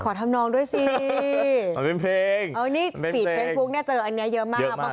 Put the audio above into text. ขอทำนองด้วยสิเอาเป็นเพลงเอานี่เนี้ยเจออันเนี้ยเยอะมากเยอะมาก